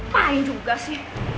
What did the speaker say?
main juga sih